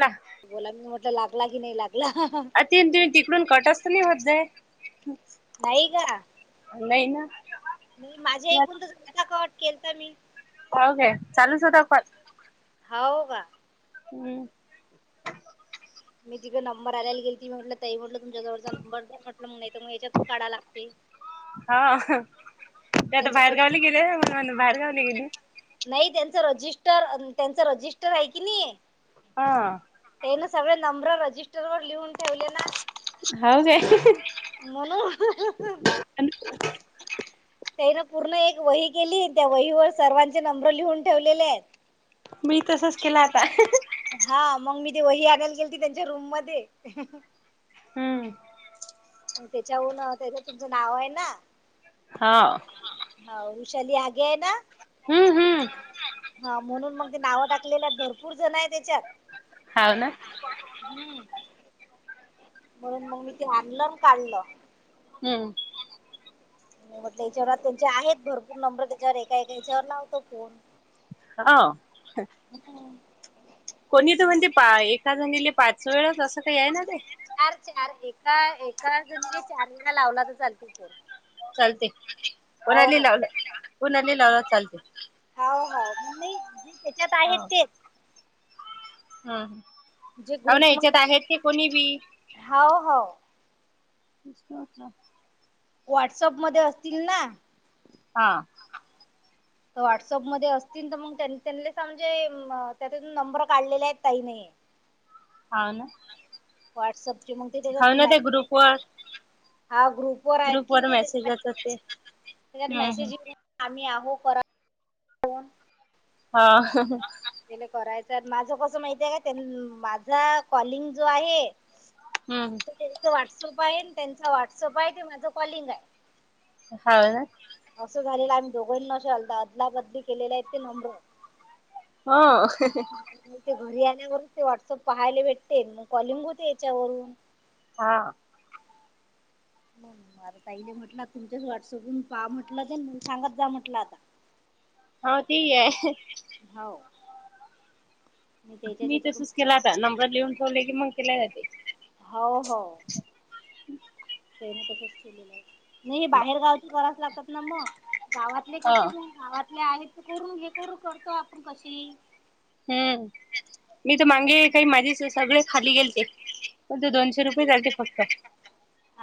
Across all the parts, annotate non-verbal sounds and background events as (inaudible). अ बोला मी म्हटल लागला की नाही लागला? अ ते तु तिकडून कट असत नाही होत जाय नाहीई का? नाही ना म माझ्या ऐकून तर कता कट केलता मी हो काय चालूच होता कॉल. हो का? हम्म मी तिक नंबर आणायला गेलती म्ह ताई म्हटलं तुमच्या जवळचा नंबर म्हटल मग नाही तर मग याच्यातून काढा लागतील. हा ते आता बाहेर गावले गेले म बाहेर गावली गेली. रजिटर त्यांच रजिस्टर आहे कि नाही हा. त्यानं सगळे नंबर रजिस्टर लिहून ठेवले ना हो का? म्हणून त्यान पूर्ण एक वही केली त्या वहीवर सर्वांचे नंबर लिहून ठेवलेले आहेत. मी तसंच केलं आता हा मग मी ते वही आणायला गेल त त्यांच्या रूम मध्ये हम्म. त्याच्याहून त्याच तुमचं नाव आहे ना हा. हो उषाली आगे आहे ना हम्म हम्म हा म्हणून मग ते नाव टाकलेलं भरपूर जण आहे त्याच्यात हाव ना. हम्म म्हणून मग मी ते आणलं काढलं. हम्म म्हटल याच्यावर त्यांचे आहेत भरपूर नंबर त्याच्यावर एका एका याच्यावर लाव्हतो फोन हा कोणी तर म्हणते एका झालेले पाच वेळा असं काही आहे ना ते चार चार एका एका म्हणजे चार लावला तर चालतो फोन चालते हो कोणाला हो लावला कोणाला लावला चालते हो हो मी जे त्याच्यात आहेत तेच हा हा अवना याच्यात ग्रुपमध्ये आहेत ते कोणी बी हो हो विसलं व्हॉट्सअप मध्ये असतील ना? हा. व्हॉट्सअपमध्ये असतील तर मग त्यां स म्हणजे त्यातून नंबर काढलेले आहेत ताईने ह हा ना. व्हॉट्सअपची मग ते हाव त्याच्यात ना ते मॅसेज ग्रुप वर हा ग्रुप वर आहेत कि ते मेसेज येतात ते त्याच्यात हम्म हम्म मेसेज आम्ही हो करा हा. त्याला करायचं माझ कसं माहती आहे का माझा कॉलिंग जो आहे हम्म त्यांच व्हॉट्सअप आहे त्यांचा व्हॉट्सअप आहे ते माझं कॉलिंग आहे हा ना. असं झालेलं आम्ही दोघां नशलता अदला बदली केलेला आहे ते नम्बर हा. ते घरी आल्यावरच ते व्हॉट्सअप पाहायला भेटते मग कॉलिंग होते याच्यावरून हा मग ताईने म्हटलं तुमच्याच व्हॉट्सअपून पाहा म्हटलं ते सांगत जा म्हटलं आता हा ते आहे हो त्याच्या मी त्याच्याकडून तसंच केला होता नंबर लिहून ठेवले की मग केल्या जाते हो हो मी बाहेर गावातले करावच लागतात ना मग गावातले हा कसे जे आहे ते करून घेतो करतो आपण कशी हम्म मी तर मांगे, काही माझे स सगळे खाली गेलते. (unintelligible) ते दोनशे रुपये झालते फक्त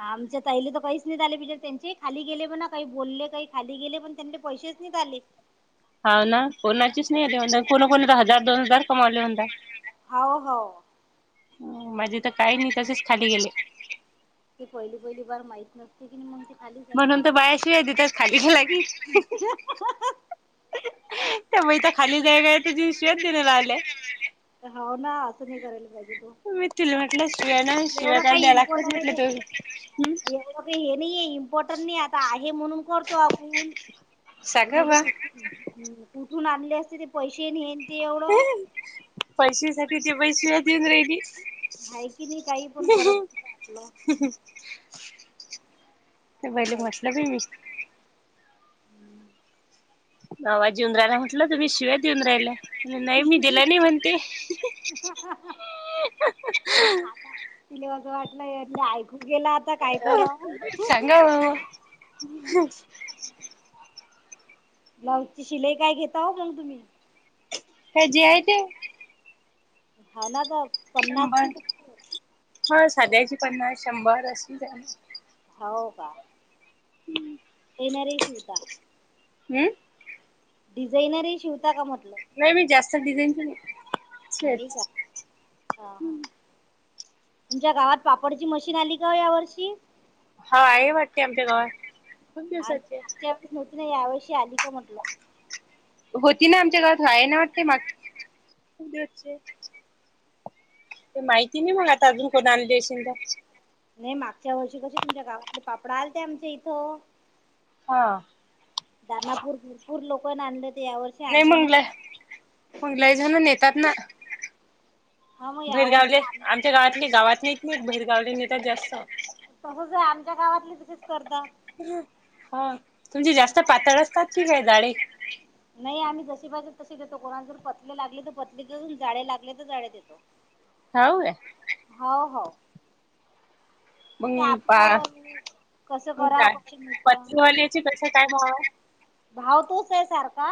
आमच्या ताईले त काहीच नाही झाले, बिचार त्यांचे खाली गेले पण ना, काही बोलले काही खाली गेले पण त्यांनले पैसे (unintelligible) झाली हौ ना कोणाचीच नाही आले अवंदा, कोणा कोणा तर हजार दोन हजार कमावले म्हणता हौ हौ. उ माझे त काही नई, तसेच खाली गेले. ते पहिली पहिली बार माहित नसते कीनि मंग ते खाली म्हणून तर जातात बाया शिव्या देतात खाली गेला की त्या बईता खाली (unintelligible) शिव्याच देऊ राहिले. हौ ना असं नाही करायला पाहिजे तो मी तुला म्हटलं (unintelligible) शिव्या ना शिव्या एवढं काय काही द्याय लागतात इम्पॉर्टन म्हटलं ये तु हम् ते, एवढं काही हे नाही ये इम पटण नाही आता आहे म्हणून करतो आपण सांगा बा कुठून आणले असते ते पैसे आणि हे न ते एवढं पैशसाठी ती बाई शिव्या देऊ राहिले आहे की नाही काही पण करत नाही आपलं हह ते पहिले म्हतलब आहे मी हम्म नवाज येेऊन राहियला म्हटलं तुम्ही शिव्या देऊन राहिल नाही मी दिला नाही म्हणते तिले अस वाटला (unintelligible) आय गेल आता काय कराव? सांगा ब्लाऊजची शिलाई काय घेताव मंग तुम्ही? काय जे आहे ते हा ना तर पन्नास कि (unintelligible) हो साध्याची पन्नास शंभर अशी झाली हौ का? (unintelligible) येणारे शिवता हम्म. डिझायनर हे शिवता का म्हट? नई मी जास्त डिझाईनचे नई नाही का हा हा तुमच्या गावात पापडची मशीन आली का या वर्षी हा आहे वाटते आमच्या गावात खूप दिवसाची आधीच माहित नाही या वर्षी आले का म्हटलं होती ना आमच्या गावात व्हाय ना वाटते मग ख ते माहिती नाही मग आता अजून कोण आणली असशे तर नाही मागच्या वर्षी कशी तुमच्या गावातले पापडा आला ते आमच्या इथं हा दनापूर भरपूर लोक आणले ते या वर्षी आणले नाही. लई जण नेतात ना. हा मग यावर्षी भैरगावले आणले. आमच्या गावातले गावात नाहीत नाही भैरगावले नेतात जास्त तसच आहे आमच्या गावातली तसच करता हा तुमचे जास्त पातळ असतात की काय हे जाडे? नाही आम्ही जसे पाहिजे तसे देतो कोणाला जर पतले लागले तर पतले देऊन जाडे लागले तर जाडे देतो. हय हो हो मग पाप पा कसं मग कराव जा कक्ष पतलीवाल्याचे कसं काय भाव नुसत. आहे भाव तोच आहे सारखा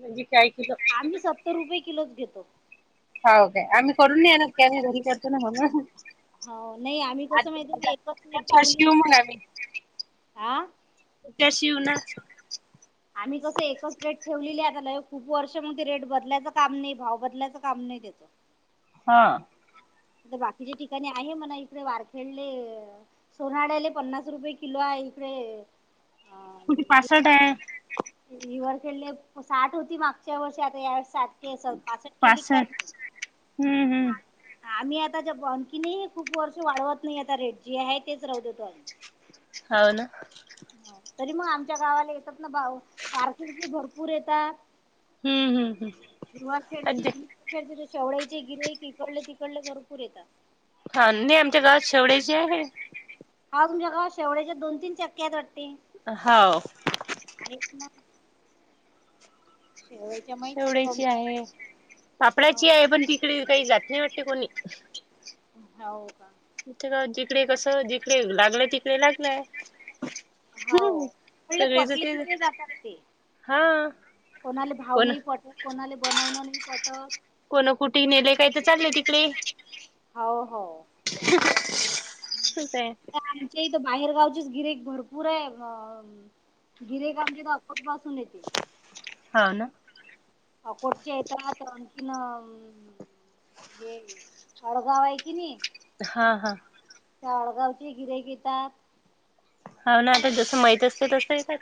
म्हणजे काय किलो आम्ही सत्तर रुपये किलो. किलो. हा काे आम्ही करून न येणार की आम्ही घरी करतो ना म्हणून. हो नाही आम्ही कसं आता माहितीे एकच मिट पुढच्या वर्षी येऊ ठेवलेली मग आम्ही आहे. हा पुढच्या वर्षी येऊ ना आम्ही कस एकच प्लेट. ठेवलेली आ खूप वर्ष मग रेट बदलायच काम नाही भाव बदलायचं काम नाही त्याच. हा तर बाकीच्या ठिकाणी आहे म्हणा इकडे वारखेडले सोनाळ्याले पन्नास रुपये किलो आहे. इकडे कुठे पंचसष्ठ आहे. ह वर खेळले साठ होती मागच्या वर्षी आता या. सात केे पासष्ट केली काय? पासष्ट हम्म हम्म आम्ही आता ज बखीने खूप वर्ष वाढवत नाही आता रेट जी आहे तेच राहततो आण. हो ना तरी मग आमच्या गावाला येतात ना भाव पार्किंग भरपूर येतात. हम्म हम्म रुवा खेळची हम्म खेळची ते. शेवडईचे गिरई तिकडले तिकडले भरपूर येतात. हा नाही आमच्या गावात शेवळे्या चे आहे हा तुमच्या का शेवट्याच्या दोन तीन चक्क्यात वाटते? हाव शेवळ्याच्या माहित शेवड्याची आहेत आहे सापडाची आहे पण तिकडे काही जात नाही वाटते कोणी. (inaudible) हो का? जिकडे कसं जिकडे लागलय तिकडे लागलंय. हो हम्म म्हणले सगळेच पटली तेच तिथे जातात ते. हा कोणाले भाव कोण नाही पटत कोणाले बनवणं नाही पटत. कोण कुठे नेलंय काही तर चाललंय तिकडे. हो हो तसं आहे आमच्या बाहेर गाव. गिर्‍हाईक भरपूर आहे. शनेची (inaudible) हाव ना अ कोठची यता आता अ तिन. हे अडगाव आहे कि नाही. हा हा. त्या आडगावचे गिरे घेतात. हा ना, आता जस माहीत असते, तस येतात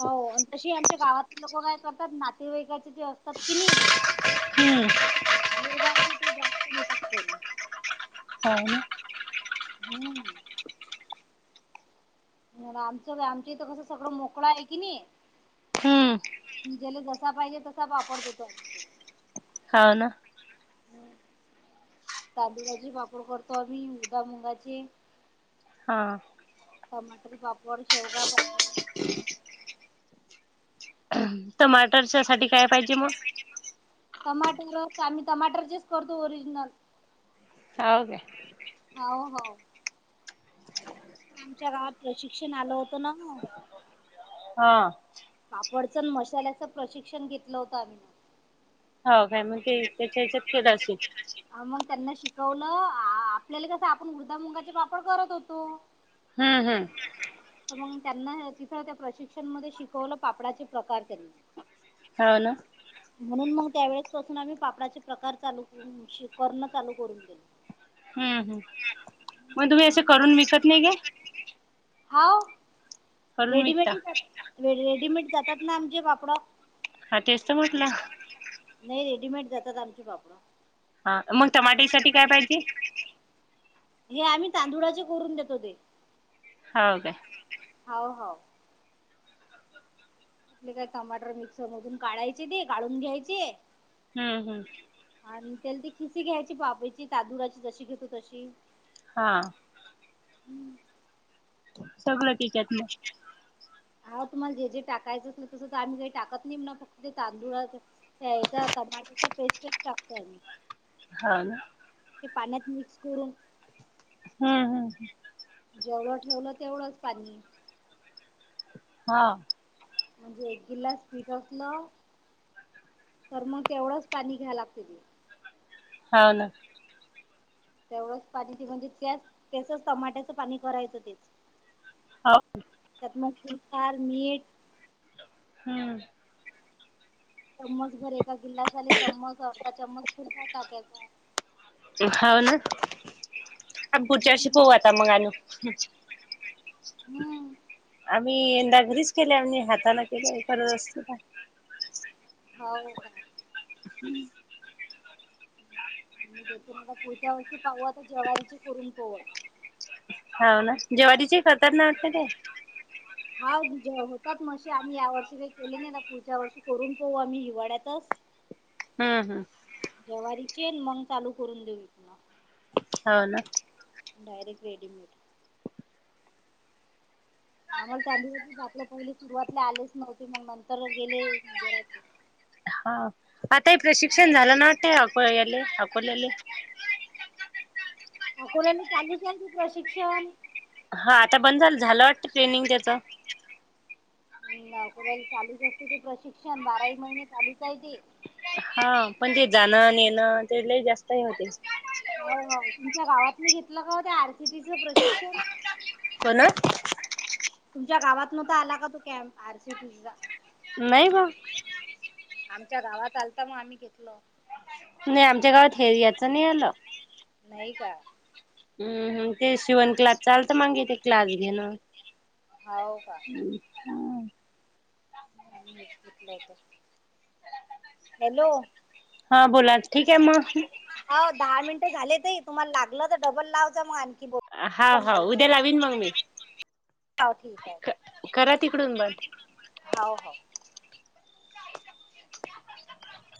हो आणि तशी आमच्या गावातले लोक काय नातेवाईकाचे ते असतात कि नाही, हम्म (inaudible) (unintelligible) (inaudible) हो ना. हम्म. म आमचं, आमच्या इथं कसं, सगळं मोकळं आहे की नाही. हम्म ज्याला जसा पाहिजे तसा, वापडते तो. हा ना. हम् तांदुळाचे पापड करतो आम्ही, उडादा मुंगाचे, हा. टमाटर पापोड, शेवगा पापोड, टमाटरच्या साठी काय पाहिजे मग? टमाटर. आम्ही टमाटरचेच करतो ओरिजिनल. हाव काय. हाव, हाव. च्या गावात प्रशिक्षण आलं होतं ना. हा. वडचण मशल्याचं प्रशिक्षण घेतलं होतं आम्ही. हो काय, मग ते त्याच्या हेच्यात केलं असेल. अ मग त्यांना शिकवलं अ आ आपल्याला कसं आपण उदा, मुंगाचे पापड करत होतो. हम्म हम्म. तर त्यांना तिथं त्या प्रशिक्षण मध्ये शिकवलं, पापडाचे प्रकार त्यांनी. हव ना. म्हणून मग त्यावेेळेस पासून आम्ही पापडाचे प्रकार चालू श करण चालू करून दिलं. हम्म हम्म मग तुम्ही असं करून विकत नाही काय हाव. करून विकता रेडीमेड, रेडीमेड जातात ना आमचे पापड. हा तेच तर म्हटलं. नाही रेडीमेड जातात आमचे पापड. हा मग टमाटे साठी काय पाहिजे? हे आम्ही तांदुळाचे करून देत होते. हा काय. हाव, हाव. आपले काय टमाटर मिक्सर मधून काढायचे ते, काढून घ्यायचे. हम्म हम्म. आणि त्याला ती खिसी घ्यायची वाफेची ची तादुलाची जशी घेतो तशी. हा. हम्म सगळं तिच्यात मग. हा तुम्हाला जे जे टाकायचं असल, तस तर आम्ही काही टाकत नाही ना, फक्त ते तांदूळातयचा टमाटोच पेस्टच टाकतोय आमी. हा ना. ते पाण्यात मिसळून हा हा ह. जेवढं ठेवलं तेवढंच पाणी. हा. म्हणजे एक ग्लास पिकतलं. तर मग तेवढंच पाणी घ्यायला लागते. हा ना. तेवढंच पाणी म्हणजे, त्या त्याचच टमाट्याचं पाणी करायचं ते. हाऊ म फार मीट हम्म चम्मच भर एका गिलासले चम्मच अर्धा चम्च हाव ना आम्ही पुढच्या वर्ष पऊ आता मग अनु हम्म. मी यंदा घरीच केल्या हातांना केल्यास खरच ना हो ह देथून मला कोणत्या वस्ती पाहू आता जवारीचे करून पोत (inaudible) हो ना जव्हारीची खातात ना आपल्याकडे हा होतात मसे आम्ही या वर्षी काही केले नाही ना पुढच्या वर्षी करून पू आम्ही हिवाळ्यातच (unintelligible) हम्म हम्म जवारीची येन मग चालू करून देऊ त ना हा ना डारेक्ट रेडीमेड ह मग त्याधातल्या पहिले सुरुवातला आलेच नव्हती मग म्हण हा आता हे प्रशिक्षण झालं ना वाटतं अकोल्याले अकोल्यात चालूच आहे प्रशिक्षण हा आता बंद झालं झालं वाटत ट्रेनिंग त्याच नकऱ्या चालूच असते ते प्रशिक्षण बाराही महिने चालूच आहे ते हा पण ते जाणं नेणं ते जास्त होते हो हो तुमच्या गावात मी घेतलं का हो त्या आरसीटीच प्रशिक्षण कोणात? तुमच्या गावात न आला का तो कॅम्प आर सीटीचा नाही ग आमच्या गावात आलता मग आम्ही घेतल नाही आमच्या गावात हेर याच नाही आलं? नाही का हम्मम ते शिवण क्लास चालत मगे ते क्लास घेणं होव का ह विलेश अस हलो हा बोला ठीक आहे मग. हो दहा मिनटे झालेत तुम्हाला लागलं तर डबल लाव जा मग आण हा हा उद्या लावीन मग मी हो ठीक आहे करा तिकडून बंद. हो हो